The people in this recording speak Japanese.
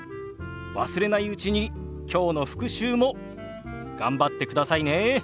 忘れないうちに今日の復習も頑張ってくださいね。